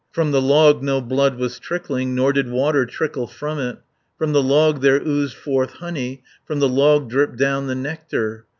From the log no blood was trickling, Nor did water trickle from it; From the log there oozed forth honey, From the log dripped down the nectar.